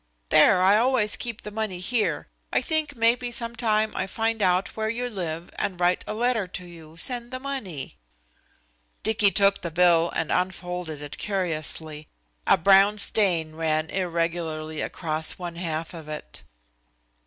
There I always keep the money here. I think maybe some time I find out where you live and write a letter to you, send the money." Dicky took the bill and unfolded it curiously. A brown stain ran irregularly across one half of it.